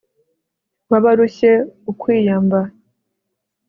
w'abarushye ukwiyamb